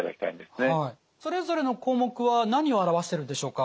それぞれの項目は何を表してるんでしょうか？